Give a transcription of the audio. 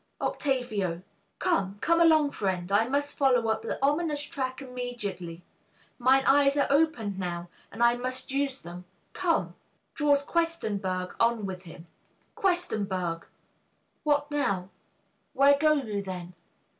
OCTAVIO. Come, come along, friend! I must follow up The ominous track immediately. Mine eyes Are opened now, and I must use them. Come! (Draws Q. on with him.) Q. What now? Where go you then?